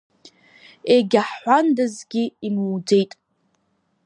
Егьа ҳҳәандазгьы имуӡеит.